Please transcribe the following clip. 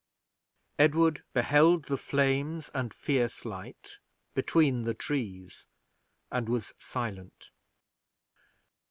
Edward beheld the flames and fierce light between the trees and was silent.